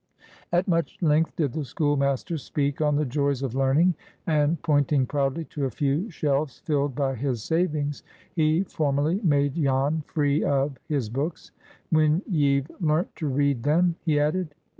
At much length did the schoolmaster speak on the joys of learning, and, pointing proudly to a few shelves filled by his savings, he formally made Jan "free of" his books. "When ye've learnt to read them," he added.